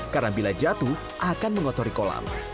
karena bila jatuh akan mengotori kolam